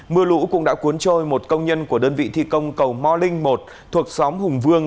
mưa lũ cũng đã cuốn trôi một công nhân của đơn vị thi công cầu mò linh một thuộc xóm hùng vương